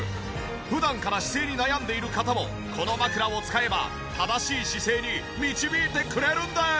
普段から姿勢に悩んでいる方もこの枕を使えば正しい姿勢に導いてくれるんです。